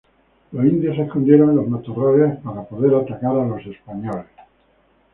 Los indios se escondieron en los matorrales para poder atacar a los españoles.